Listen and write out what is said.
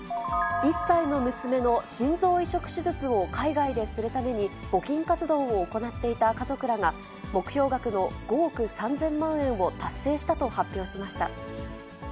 １歳の娘の心臓移植手術を海外でするために、募金活動を行っていた家族らが、目標額の５億３０００万円を達成したと発表しました。